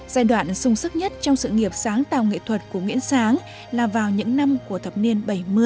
giai đoạn sung sức nhất trong sự nghiệp sáng tạo nghệ thuật của nguyễn sáng là vào những năm của thập niên bảy mươi